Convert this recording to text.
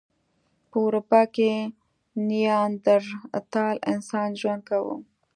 په اروپا کې نیاندرتال انسان ژوند کاوه.